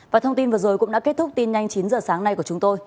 và thông tin vừa rồi cũng đã kết thúc tin nhanh chín h sáng nay của chúng tôi